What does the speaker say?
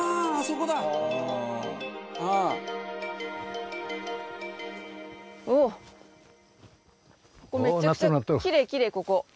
ここめちゃくちゃきれいきれいここ。